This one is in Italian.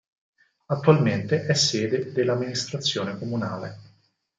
Attualmente è sede dell'amministrazione comunale.